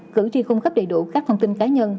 cử tri cung cấp đầy đủ các thông tin cá nhân